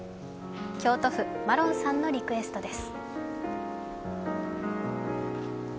京都府、マロンさんのリクエストです。